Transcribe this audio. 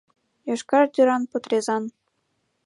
Йошкар тӱран потрезан.